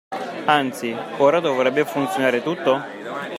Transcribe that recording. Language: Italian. Anzi… ora dovrebbe funzionare tutto?